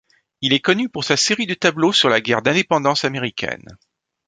Il est connu pour sa série de tableaux sur la guerre d'Indépendance américaine.